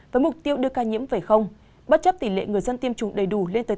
với mục tiêu đưa ca nhiễm về không bất chấp tỷ lệ người dân tiêm chủng đầy đủ lên tới tám mươi bảy năm